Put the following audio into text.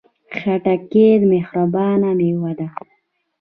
خټکی مهربانه میوه ده.